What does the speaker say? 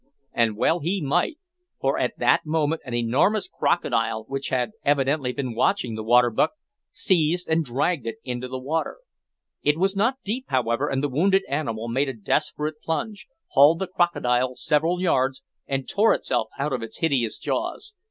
And well he might, for at that moment an enormous crocodile, which had evidently been watching the water buck, seized and dragged it into the water. It was not deep, however, and the wounded animal made a desperate plunge, hauled the crocodile several yards, and tore itself out of its hideous jaws.